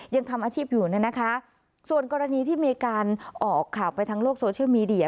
ยังทำอาชีพอยู่เนี่ยนะคะส่วนกรณีที่มีการออกข่าวไปทางโลกโซเชียลมีเดีย